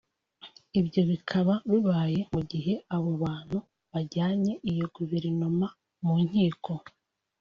Ibyo bikaba bibaye mu gihe abo bantu bajyanye iyo guverinoma mu nkiko